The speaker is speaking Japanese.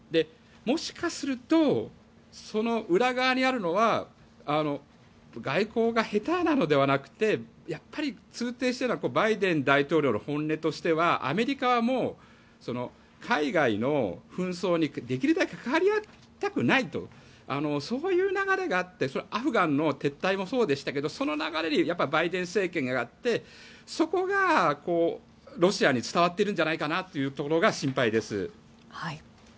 もしかするとその裏側にあるのは外交が下手なのではなくてやっぱり通底しているのはバイデン大統領の本音としてはアメリカはもう海外の紛争にできるだけ関わりたくないとそういう流れがあってアフガンの撤退もそうでしたけどその流れでバイデン政権があってそこがロシアに伝わってるんじゃないかなというところが心配です。